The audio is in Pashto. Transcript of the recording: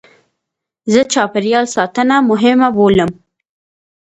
زه چاپېریال ساتنه مهمه بولم.